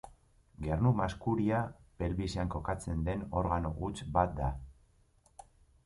Gernu maskuria pelbisean kokatzen den organo huts bat da.